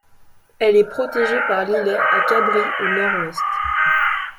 Elle est protégée par l'îlet à Cabrit au nord-ouest.